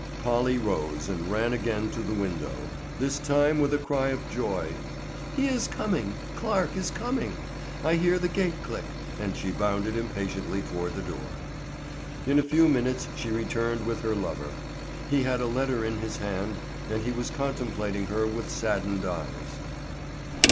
Polly rose and ran again to the window, this time with a cry of joy. "He is coming! Clarke is coming! I hear the gate click," and she bounded impatiently toward the door. In a few minutes she returned with her lover; he had a letter in his hand and he was contemplating her with saddened eyes.